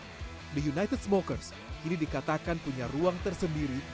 the united smokers kini dikatakan punya ruang tersendiri